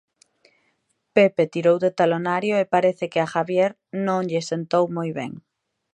Pepe tirou de talonario e parece que a Javier non lle sentou moi ben.